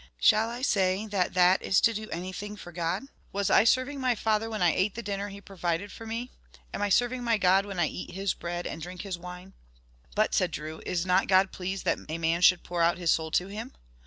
shall I say that THAT is to do anything for God? Was I serving my father when I ate the dinner he provided for me? Am I serving my God when I eat his bread and drink his wine?" "But," said Drew, "is not God pleased that a man should pour out his soul to him?"